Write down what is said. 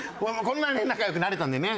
こんなにね仲良くなれたんでね。